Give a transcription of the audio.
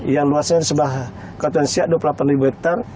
yang luasnya sebahagian siak dua puluh delapan hektar